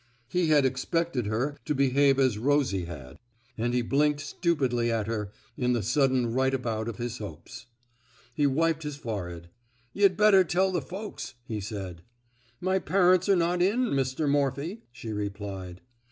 '* He had expected her to behave as Rosie had; and he blinked stupidly at her in the sudden right about of his hopes. He wiped his forehead. '' Yuh'd better tell the folks,^^ he said. My parents 're not in, Mr. Morphy,'* she replied.